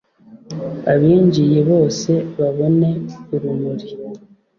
abinjiye bose babone urumuri